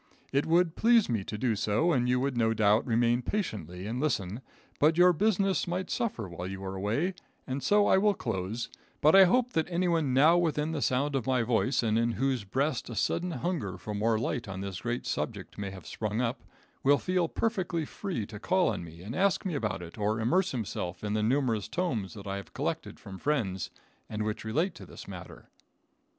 It would please me to do so, and you would no doubt remain patiently and listen, but your business might suffer while you were away, and so I will close, but I hope that anyone now within the sound of my voice, and in whose breast a sudden hunger for more light on this great subject may have sprung up, will feel perfectly free to call on me and ask me about it or immerse himself in the numerous tomes that I have collected from friends, and which relate to this matter.